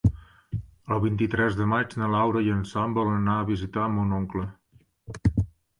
El vint-i-tres de maig na Laura i en Sam volen anar a visitar mon oncle.